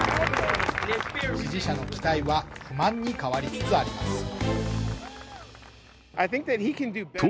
支持者の期待は不満に変わりつつあります。